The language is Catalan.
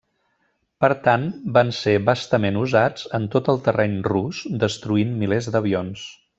Per tant van ser vastament usats en tot el terreny rus destruint milers d'avions.